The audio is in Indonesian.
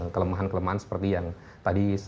kelemahan kelemahan seperti yang tadi